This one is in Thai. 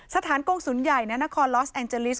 สถานกงศูนย์ใหญ่ณนครลอสแอนเจลิส